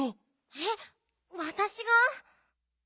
えっわたしが？